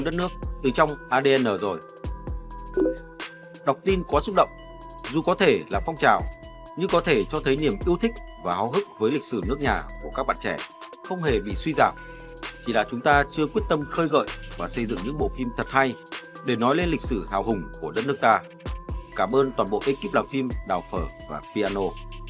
đọc tin quá xúc động dù có thể là phong trào nhưng có thể cho thấy niềm yêu thích và hóa hức với lịch sử nước nhà của các bạn trẻ không hề bị suy giảm chỉ là chúng ta chưa quyết tâm khơi gợi và xây dựng những bộ phim thật hay để nói lên lịch sử hào hùng của đất nước ta cảm ơn toàn bộ ekip làm phim đào phở và piano